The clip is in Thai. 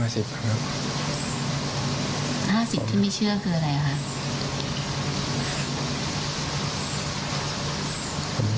๕๐ที่ไม่เชื่อคืออะไรคะ